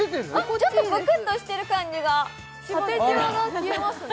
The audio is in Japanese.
ちょっとぷくっとしてる感じが縦じわが消えますね